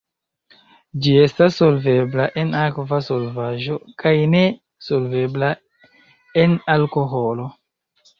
Ĝi estas solvebla en akva solvaĵo kaj ne solvebla en alkoholo.